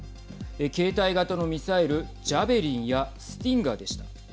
携帯型のミサイル、ジャベリンやスティンガーでした。